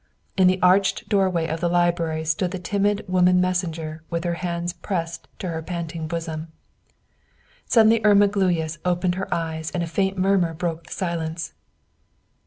In the arched doorway of the library stood the timid woman messenger with her hands pressed to her panting bosom. Suddenly Irma Gluyas opened her eyes and a faint murmur broke the silence.